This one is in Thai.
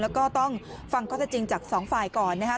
แล้วก็ต้องฟังข้อตราจริงจาก๒ฝ่ายก่อนนะฮะ